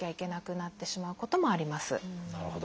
なるほど。